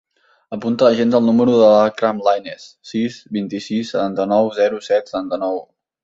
Apunta a l'agenda el número de l'Akram Lainez: sis, vint-i-sis, setanta-nou, zero, set, setanta-nou.